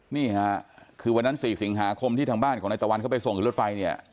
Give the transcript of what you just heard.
นี่ค่ะคือวันนั้น๔สิงหาคมที่ทางบ้านของนายตะวันเข้าไปส่งขึ้นรถไฟเนี่ย